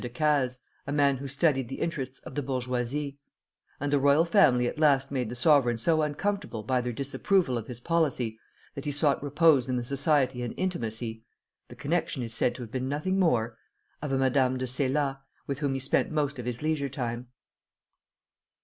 Decazes, a man who studied the interests of the bourgeoisie; and the royal family at last made the sovereign so uncomfortable by their disapproval of his policy that he sought repose in the society and intimacy (the connection is said to have been nothing more) of a Madame de Cayla, with whom he spent most of his leisure time.